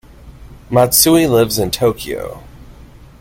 Matsui lives in Tokyo.